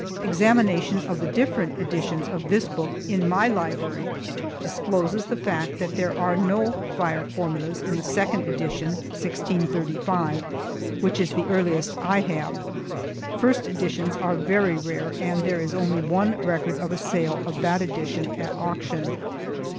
Examination of the different editions of this book in my library discloses the fact that there are no fire formulas in the second edition, 1635, which is the earliest I have (first editions are very rare and there is only one record of a sale of that edition at auction).